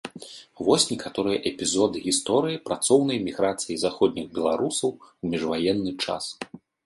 Вось некаторыя эпізоды гісторыі працоўнай міграцыі заходніх беларусаў у міжваенны час.